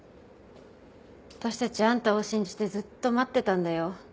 私たちあんたを信じてずっと待ってたんだよ。